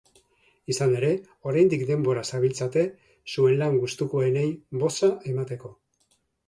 Izan ere, oraindik denboraz zabiltzate zuen lan gustukoenei boza emateko.